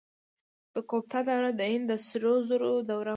د ګوپتا دوره د هند د سرو زرو دوره وه.